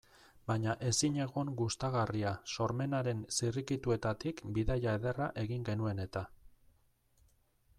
Baina ezinegon gustagarria, sormenaren zirrikituetatik bidaia ederra egin genuen eta.